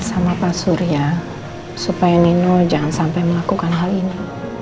sama pak surya supaya nino jangan sampai melakukan hal ini